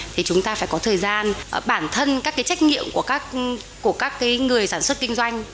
thì chúng ta phải có thời gian bản thân các cái trách nhiệm của các người sản xuất kinh doanh